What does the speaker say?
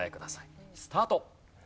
スタート！